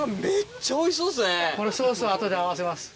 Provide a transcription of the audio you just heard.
これソースを後で合わせます。